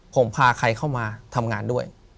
ผมพาใครเข้ามาทำงานด้วย